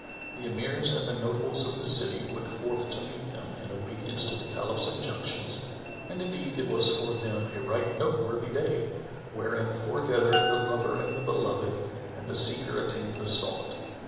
The Emirs and the notables of the city went forth to meet him, in obedience to the Caliph's injunctions, and indeed it was for them a right note worthy day, wherein foregathered the lover and the beloved and the seeker attained the sought.